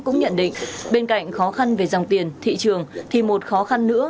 cũng nhận định bên cạnh khó khăn về dòng tiền thị trường thì một khó khăn nữa